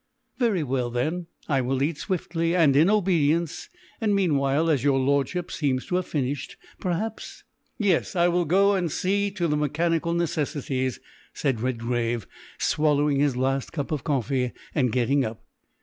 "Very well, then, I will eat swiftly and in obedience; and meanwhile, as your Lordship seems to have finished, perhaps " "Yes, I will go and see to the mechanical necessities," said Redgrave, swallowing his last cup of coffee, and getting up.